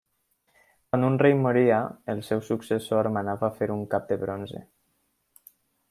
Quan un rei moria, el seu successor manava fer un cap en bronze.